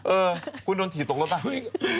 เออคุณโดนถี่ตกรถป่ะ